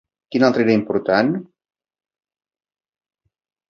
Quin altre era important?